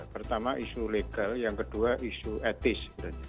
pertama isu legal yang kedua isu etis